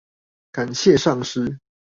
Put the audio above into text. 感謝上師！